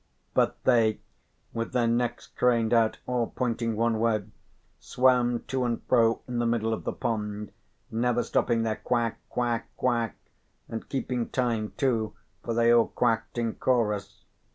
But they, with their necks craned out all pointing one way, swam to and fro in the middle of the pond, never stopping their quack, quack quack, and keeping time too, for they all quacked in chorus.